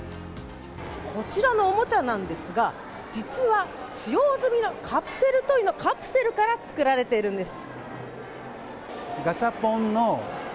こちらのおもちゃなんですが実は使用済みのカプセルトイのカプセルから作られているんです。